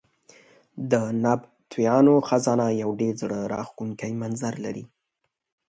د نبطیانو خزانه یو ډېر زړه راښکونکی منظر لري.